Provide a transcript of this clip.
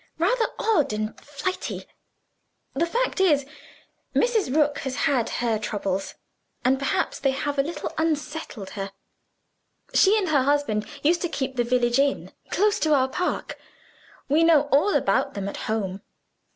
Rather odd and flighty. The fact is, Mrs. Rook has had her troubles; and perhaps they have a little unsettled her. She and her husband used to keep the village inn, close to our park: we know all about them at home.